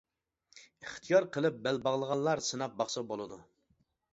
ئىختىيار قىلىپ بەل باغلىغانلار سىناپ باقسا بولىدۇ.